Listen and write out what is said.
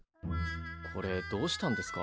これどうしたんですか？